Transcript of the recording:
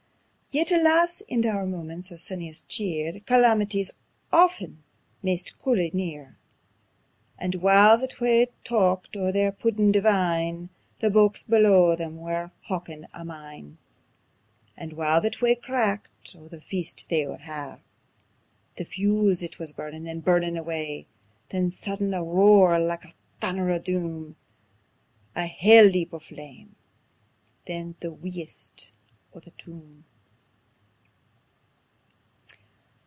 Yet alas! in oor moments o' sunniest cheer Calamity's aften maist cruelly near. And while the twa talked o' their puddin' divine The Boches below them were howkin' a mine. And while the twa cracked o' the feast they would hae, The fuse it wis burnin' and burnin' away. Then sudden a roar like the thunner o' doom, A hell leap o' flame ... then the wheesht o' the tomb.